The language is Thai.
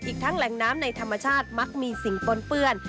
อีกทั้งแหล่งน้ำในธรรมชาติมักมีสิ่งปนเปื้อน